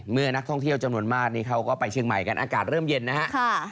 เมื่อนักท่องเที่ยวจำนวนมากนี่เขาก็ไปเชียงใหม่กันอากาศเริ่มเย็นนะฮะ